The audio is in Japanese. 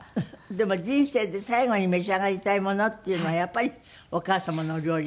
でも人生で最後に召し上がりたいものっていうのはやっぱりお母様のお料理ですってね。